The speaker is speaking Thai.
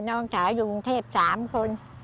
น้องสาวอยู่กรุงเทพ๓คน